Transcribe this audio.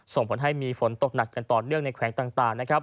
ส่งผลให้มีฝนตกหนักกันต่อเนื่องในแขวงต่างนะครับ